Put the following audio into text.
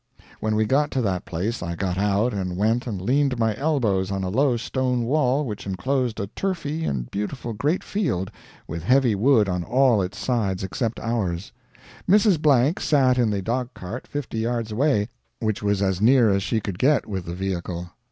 "When we got to that place I got out and went and leaned my elbows on a low stone wall which enclosed a turfy and beautiful great field with heavy wood on all its sides except ours. Mrs. Blank sat in the dog cart fifty yards away, which was as near as she could get with the vehicle.